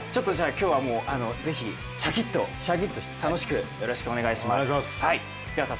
今日はぜひシャキッと、楽しく、よろしくお願いいたします。